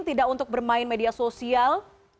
tidak untuk bermain media sosial